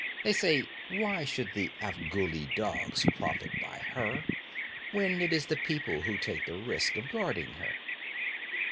They say why should the Afghuli dogs profit by her, when it is the people who take the risk of guarding her?'